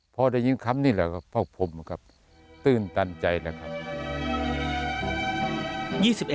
พอได้ยินคำนี่แหละก็เพิ่มครับตื่นตาใจเลยครับ